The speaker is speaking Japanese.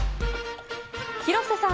広瀬さん